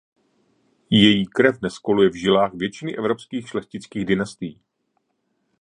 Její krev dnes koluje v žilách většiny evropských šlechtických dynastií.